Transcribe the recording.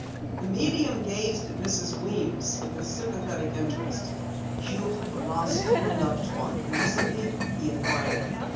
The medium gazed at Mrs. Weems with sympathetic interest. "You have lost a loved one recently?" he inquired.